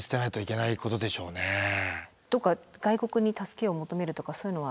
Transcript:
どこか外国に助けを求めるとかそういうのは。